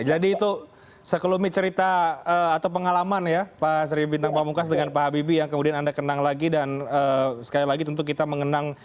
jadi itu sekelumi cerita atau pengalaman ya pak sri bintang pamukas dengan pak habibie yang kemudian anda kenang lagi dan sekali lagi tentu kita mengucapkan terima kasih